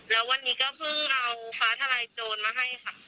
แล้ววันนี้ก็เพิ่งเอาฟ้าทลายโจรมาให้ค่ะ